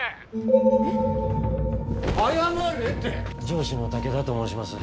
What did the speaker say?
上司の武田と申します。